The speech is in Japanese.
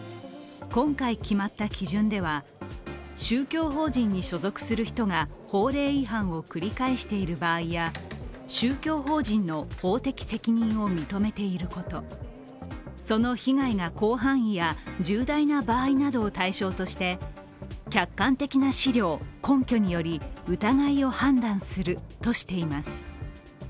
今回決まった基準では、宗教法人に所属する人が法令違反を繰り返している場合や宗教法人の法的責任を認めていること、その被害が広範囲や重大な場合などを対象として客観的な資料、根拠により疑いを判断するとしています。